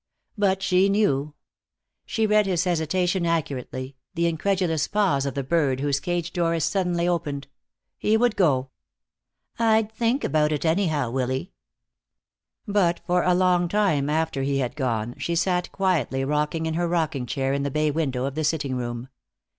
But she knew. She read his hesitation accurately, the incredulous pause of the bird whose cage door is suddenly opened. He would go. "I'd think about it, anyhow, Willy." But for a long time after he had gone she sat quietly rocking in her rocking chair in the bay window of the sitting room.